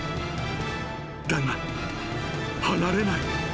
［だが離れない。